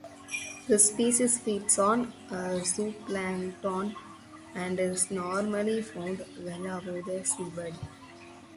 This species feeds on zooplankton and is normally found well above the sea bed.